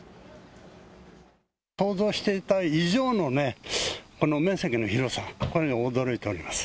想像していた以上のね、面積の広さ、これに驚いております。